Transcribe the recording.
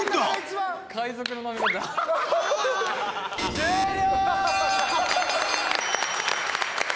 終了！